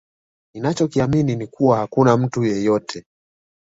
Ninacho kiamini ni kuwa hakuna mtu yeyote